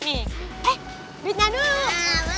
eh duitnya dulu